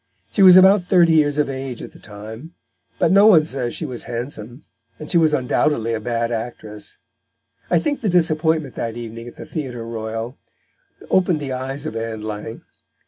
She was about thirty years of age at the time; but no one says that she was handsome, and she was undoubtedly a bad actress, I think the disappointment that evening at the Theatre Royal opened the eyes of Ann Lang.